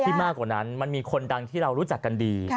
มากกว่านั้นมันมีคนดังที่เรารู้จักกันดี